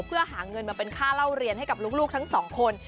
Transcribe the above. เพื่อหาเงินมาเป็นค่าเล่าเรียนให้กับลูกทั้งสองคน